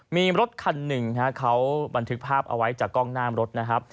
มีรถคันหนึ่งเขาบันทึกภาพเอาไว้จากกล้องหน้ารถนะครับ